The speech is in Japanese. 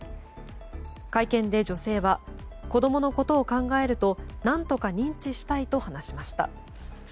会見で女性は子供のことを考えると何とか認知したいと話しました。